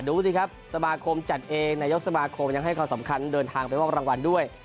ดูสิครับสมาคมจัดเองนายกสมาคมยังให้ความสำคัญเดินทางไปมอบรางวัลด้วย